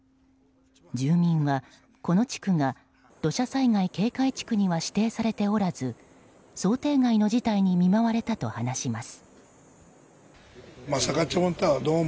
住民は、この地区が土砂災害警戒区域には指定されておらず想定外の事態に見舞われたと話します。